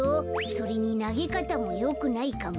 それになげかたもよくないかも。